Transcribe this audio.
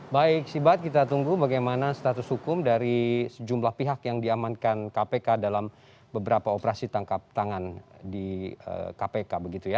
baik sibat kita tunggu